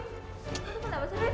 kenapa kamu gak bisa lupain bella